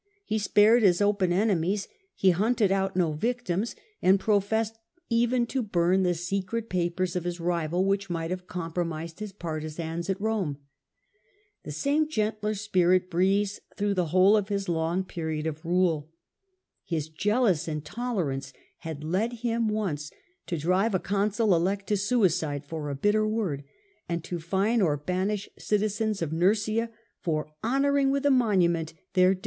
He spared his open enemies, he hunted out no victims, and professed even to bum the secret papers of his rival which might have compromised his partisans at Rome. The same gentler spirit breathes through the whole of his long period of rule. His jealous intolerance had led him once to drive a consul elect to suicide for a bitter word, and to fine or banish citizens ol Nursia for honouring with a monument their de^.